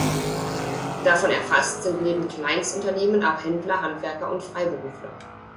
Davon erfasst sind neben Kleinstunternehmen auch Händler, Handwerker und Freiberufler.